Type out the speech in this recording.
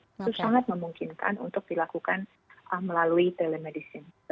jadi ini adalah hal yang kita memungkinkan untuk dilakukan melalui telemedicine